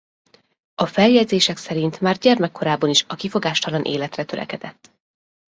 A feljegyzések szerint már gyermekkorában is a kifogástalan életre törekedett.